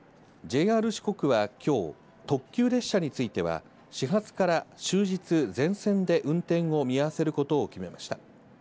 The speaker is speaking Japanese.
ＪＲ四国は、きょう、特急列車については、始発から終日、全線で運転を見合わせることを決めました。